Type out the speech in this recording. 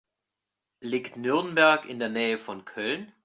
Liegt Nürnberg in der Nähe von Köln?